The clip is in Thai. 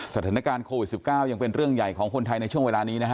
สถานการณ์โควิด๑๙ยังเป็นเรื่องใหญ่ของคนไทยในช่วงเวลานี้นะฮะ